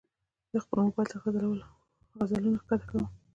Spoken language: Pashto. زه خپل موبایل ته غزلونه ښکته کوم.